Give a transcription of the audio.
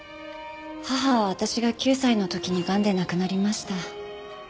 母は私が９歳の時にがんで亡くなりました。